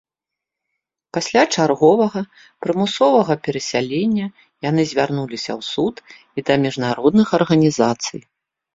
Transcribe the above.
Пасля чарговага прымусовага перасялення яны звярнуліся ў суд і да міжнародных арганізацый.